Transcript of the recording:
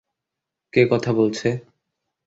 কে কথা বলছে?